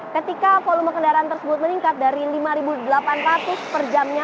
ketika volume kendaraan tersebut meningkat dari lima delapan ratus per jamnya